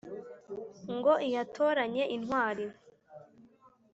ngo iyatoranye intwari